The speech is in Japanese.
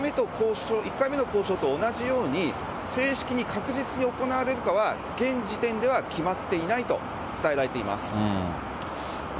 １回目の交渉と同じように、正式に確実に行われるかは、現時点では決まっていないと伝えられています。